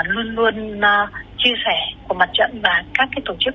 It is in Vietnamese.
luôn luôn chia sẻ của mặt trận và các tổ chức chính trị xã hội